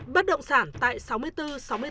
bất động sản tại sáu mươi bốn sáu mươi bảy